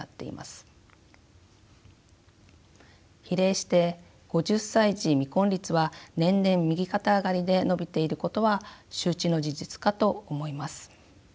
比例して５０歳時未婚率は年々右肩上がりで伸びていることは周知の事実かと思います。